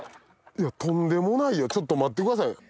いやとんでもないよちょっと待ってくださいよ。